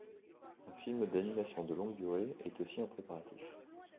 Un film d'animation de longue durée est aussi en préparatifs.